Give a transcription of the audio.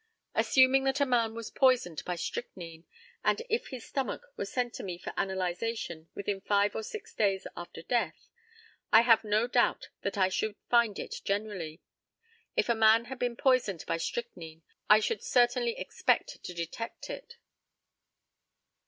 Assuming that a man was poisoned by strychnine, and if his stomach were sent to me for analyzation within five or six days after death, I have no doubt that I should find it generally. If a man had been poisoned by strychnine, I should certainly expect to detect it.